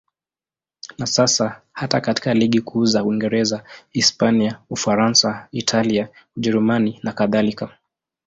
Na sasa hata katika ligi kuu za Uingereza, Hispania, Ufaransa, Italia, Ujerumani nakadhalika.